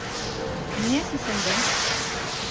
Ниңә сисендең?